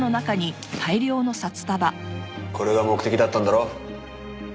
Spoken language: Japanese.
これが目的だったんだろ？